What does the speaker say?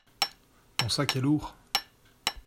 mon sac est lourd.